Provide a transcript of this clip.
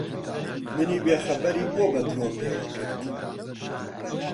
منی بێخەبەری بۆ بە درۆ پێوە کرد؟